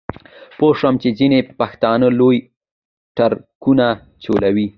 پوی شوم چې ځینې پښتانه لوی ټرکونه چلوي.